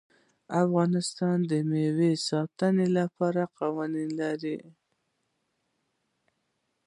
افغانستان د مېوې د ساتنې لپاره قوانین لري.